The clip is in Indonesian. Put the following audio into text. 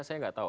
saya tidak tahu